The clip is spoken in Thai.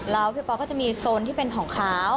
แล้วพี่ป๊อกก็จะมีโซนที่เป็นของเขา